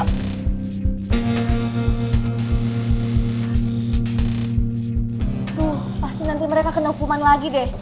aduh pasti nanti mereka kena hukuman lagi deh